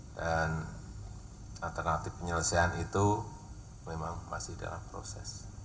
dan alternatif penyelesaian itu memang masih dalam proses